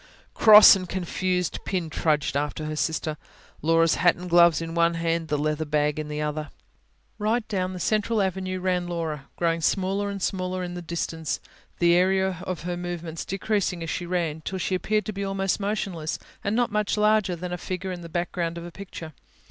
Cross and confused Pin trudged after her sister, Laura's hat and gloves in one hand, the leather bag in the other. Right down the central avenue ran Laura, growing smaller and smaller in the distance, the area of her movements decreasing as she ran, till she appeared to be almost motionless, and not much larger than a figure in the background of a picture.